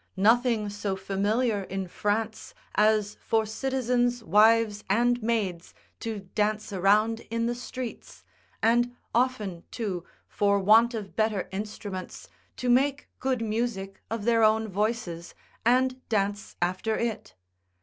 Nothing so familiar in. France, as for citizens' wives and maids to dance a round in the streets, and often too, for want of better instruments, to make good music of their own voices, and dance after it.